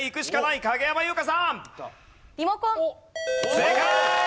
正解！